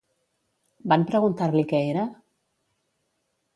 Van preguntar-li què era?